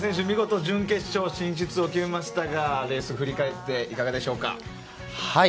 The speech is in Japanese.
見事、準決勝進出を決めましたがレースを振り返っていかがでしょうか？